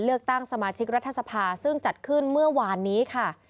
เลือกตั้งสมาชิกรัฐสภาซึ่งจัดขึ้นเมื่อวานนี้ค่ะ